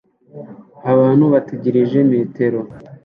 Abantu bategereje metero